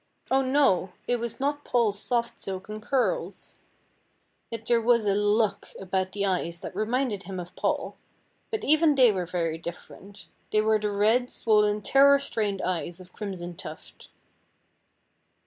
Oh, no! it was not Paul's soft silken curls. Yet there was a look about the eyes that reminded him of Paul, but even they were very different: they were the red, swollen, terror strained eyes of Crimson Tuft.